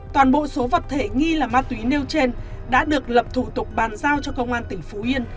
toàn bộ số vật thể nghi là ma túy nêu trên đã được lập thủ tục bàn giao cho công an tỉnh phú yên